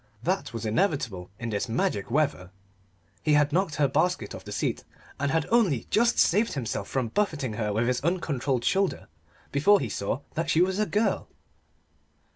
That was inevitable in this magic weather. He had knocked her basket off the seat, and had only just saved himself from buffeting her with his uncontrolled shoulder before he saw that she was a girl.